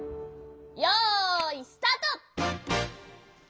よいスタート！